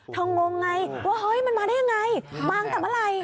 เธองงไงว่ามันมาได้อย่างไรมาตั้งแต่เมื่อไหร่